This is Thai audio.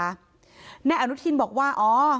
แนนอานุทินบอกว่า